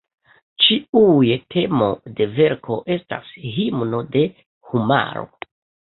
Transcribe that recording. Ĉiuj temo de verko estas "Himno de Homaro".